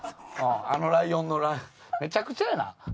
あのライオンめちゃくちゃやな。